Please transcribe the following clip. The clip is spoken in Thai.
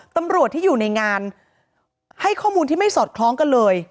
ตำรวจที่อยู่ในงานให้ข้อมูลที่ไม่สอดคล้องกันเลย